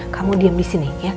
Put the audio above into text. kamu diem disini ya